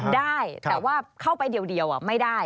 ได้แต่ว่าเข้าไปเดียวไม่ได้